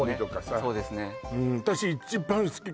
そうですね